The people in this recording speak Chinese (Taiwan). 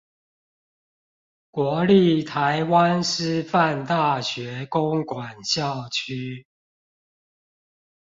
國立臺灣師範大學公館校區